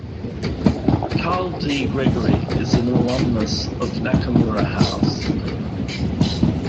Karl D. Gregory is an alumnus of Nakamura House.